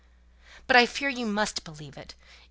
"But I fear you must believe it.